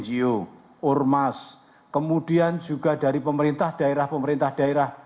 pusat data informasi dan humas kemudian juga dari pemerintah daerah pemerintah daerah